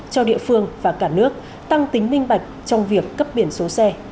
cho địa phương và cả nước tăng tính minh bạch trong việc cấp biển số xe